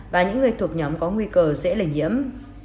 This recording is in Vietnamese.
và những người thuộc nhóm có nguy cơ dễ lây nhiễm